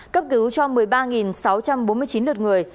cấp cứu cho một mươi ba sáu trăm bốn mươi chín lượt người